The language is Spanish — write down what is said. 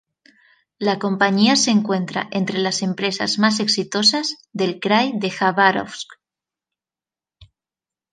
La compañía se encuentra entre las empresas más exitosas del Krai de Jabárovsk.